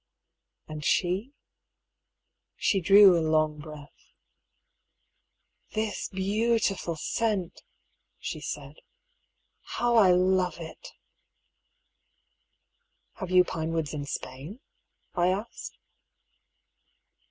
And she? She drew a long breath. " This beautiful scent !" she said. " How I love it I "" Have you pinewoods in Spain ?" I asked.